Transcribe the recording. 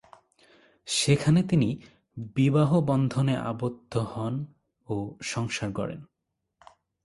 সেখানে তিনি বিবাহবন্ধনে আবদ্ধ হন ও সংসার গড়েন।